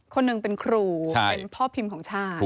คนหนึ่งเป็นครูเป็นพ่อพิมพ์ของชาติ